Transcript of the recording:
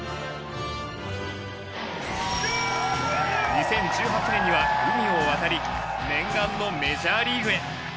２０１８年には海を渡り念願のメジャーリーグへ。